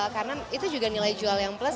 karena itu juga nilai jual yang plus